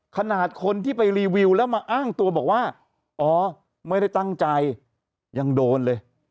ขนาดคนที่ไปรีวิวแล้วมาอ้างตัวบอกว่าอ๋อไม่ได้ตั้งใจยังโดนเลย